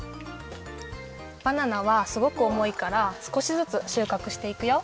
バナナはすごくおもいからすこしずつしゅうかくしていくよ。